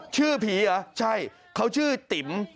ชื่อผีเหรอใช่เขาชื่อติ๋ม